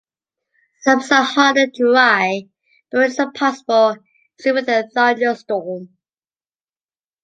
Summers are hot and dry, but rain is possible, usually with a thunderstorm.